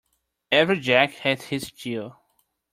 Every Jack has his Jill.